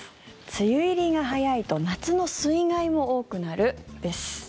梅雨入りが早いと夏の水害も多くなる？です。